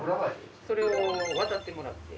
それを渡ってもらって。